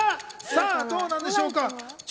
さぁどうなんでしょうか。